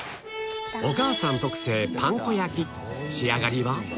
お母さん特製パン粉焼き仕上がりは？